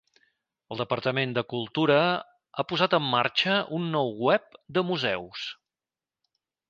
El Departament de Cultura ha posat en marxa un nou web de museus.